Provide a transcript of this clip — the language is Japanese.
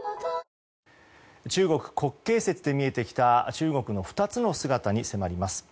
中国、国慶節で見えてきた中国の２つの姿に迫ります。